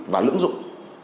và lưỡng dụng